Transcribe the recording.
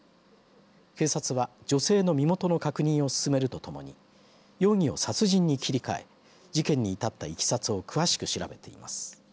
警察は女性の身元の確認を進めるとともに容疑を殺人に切り替え事件に至ったいきさつを詳しく調べています。